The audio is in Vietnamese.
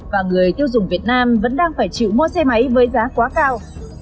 và người tiêu dùng việt nam vẫn đang phải chịu mua xe máy với giá quá cao